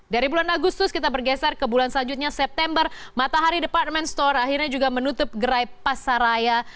dari bulan agustus kita bergeser ke bulan selanjutnya september matahari department store akhirnya juga menutup gerai pasaraya